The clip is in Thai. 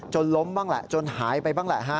จนล้มบ้างจนหายไปบ้าง